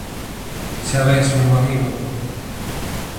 Xa ves, meu amigo;